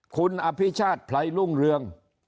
คุณอภิชาติไพรรุ่งเรือง